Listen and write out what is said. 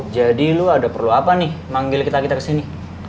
jadi lo ada perlu apa nih manggil kita kita kesini